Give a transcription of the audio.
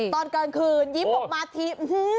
ตอนกลางคืนยิ้มออกมาที